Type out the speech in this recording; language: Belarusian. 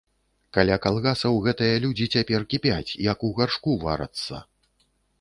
Каля калгасаў гэтыя людзі цяпер кіпяць, як у гаршку варацца.